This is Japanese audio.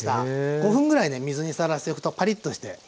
５分ぐらいね水にさらしておくとパリッとして非常においしいのでね